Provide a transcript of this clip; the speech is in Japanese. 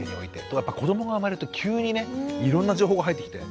ところがこどもが生まれると急にねいろんな情報が入ってきて。